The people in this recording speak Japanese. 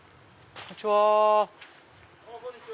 こんにちは！